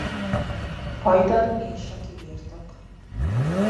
Hajdan érseki birtok.